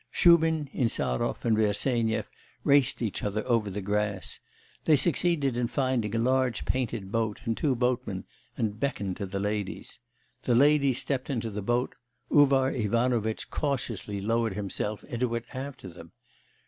Shubin, Insarov, and Bersenyev raced each other over the grass. They succeeded in finding a large painted boat and two boatmen, and beckoned to the ladies. The ladies stepped into the boat; Uvar Ivanovitch cautiously lowered himself into it after them.